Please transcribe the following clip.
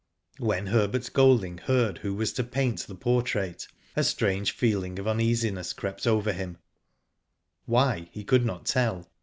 When Herbert Golding heard who was to paint the portrait, a strange feeling of uneasiness crept over him — why, he could not tell.